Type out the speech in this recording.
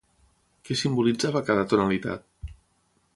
Què simbolitzava cada tonalitat?